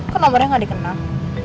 kenapa nomornya tidak dikenal